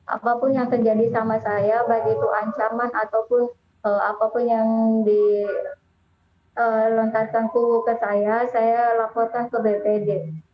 apapun yang terjadi sama saya baik itu ancaman ataupun apapun yang dilontarkanku ke saya saya laporkan ke bpd